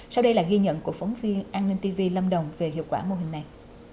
sau đây là ghi nhận của phóng viên an ninh tv lâm đồng về hiệu quả mô hình này